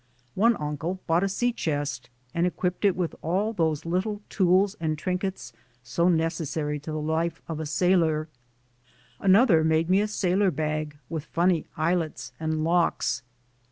One uncle bought a sea chest, and equipped it with all those little tools and trin kets so necessary to the life of a sailor; another made me a sailor bag, with funny eyelets and locks.